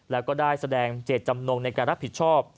แล้วก็ได้แสดงเจตจำนงในการรับผิดชอบ